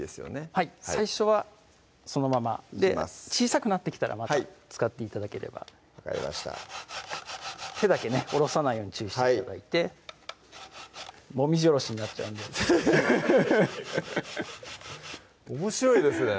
はい最初はそのままで小さくなってきたらまた使って頂ければ分かりました手だけねおろさないように注意して頂いてもみじおろしになっちゃうんでフフフフッおもしろいですね